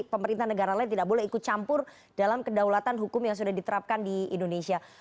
jadi pemerintah negara lain tidak boleh ikut campur dalam kedaulatan hukum yang sudah diterapkan di indonesia